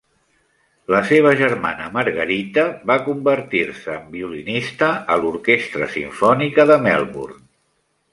La seva germana Margarita va convertir-se en violinista a l'orquestra simfònica de Melbourne.